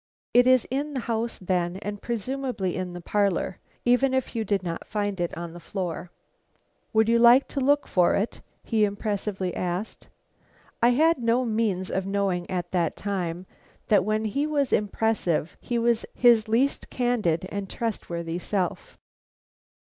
It is in the house then, and presumably in the parlor, even if you do not find it on the floor." "Would you like to look for it?" he impressively asked. I had no means of knowing at that time that when he was impressive he was his least candid and trustworthy self.